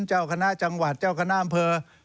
เจ้าคณะจังหวัดเจ้าคณะอำเภอ